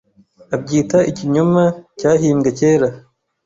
abyita ikinyoma cyahimbwe kera